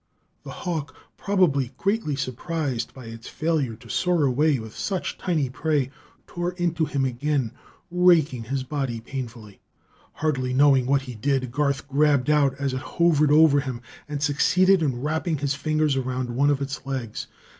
The hawk, probably greatly surprised by its failure to soar away with such tiny prey, tore into him again, raking his body painfully. Hardly knowing what he did, Garth grabbed out as it hovered over him and succeeded in wrapping his fingers around one of its legs.